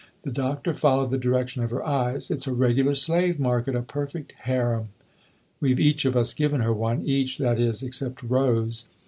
The Doctor followed the direction of her eyes. " It's a regular slave market a perfect harem !" "We've each of us given her one. Each, that is, except Rose."